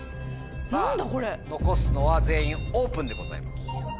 さぁ残すのは「全員オープン」でございます。